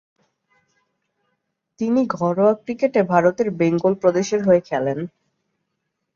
তিনি ঘরোয়া ক্রিকেটে ভারতের বেঙ্গল প্রদেশের হয়ে খেলেন।